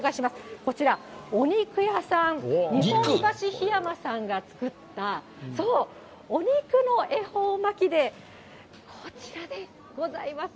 こちら、お肉屋さん、日本橋日山さんが作った、そう、お肉の恵方巻で、こちらでございます。